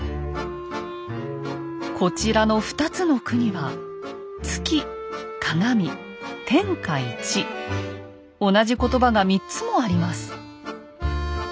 こちらの２つの句には「月」「鏡」「天下一」同じことばが３つもあります。